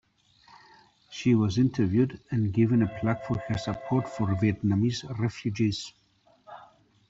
She was interviewed and given a plaque for her support for Vietnamese refugees.